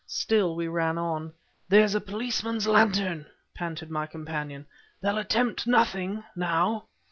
Still we ran on. "There's a policeman's lantern," panted my companion. "They'll attempt nothing, now!"